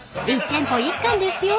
［１店舗１貫ですよ］